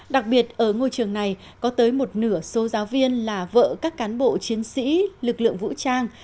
đặc biệt ở ngôi trường này có tới một nửa số giáo viên là vợ các cán bộ chiến sĩ lực lượng vũ trang